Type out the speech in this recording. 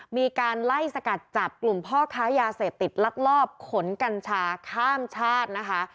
มีการไล่สกัดจับกลุ่มพ่อค้ายาเสพติดลักลอบขนกัญชาข้ามชาตินะคะ